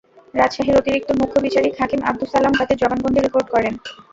রাজশাহীর অতিরিক্ত মুখ্য বিচারিক হাকিম আবদুস সালাম তাদের জবানবন্দি রেকর্ড করেন।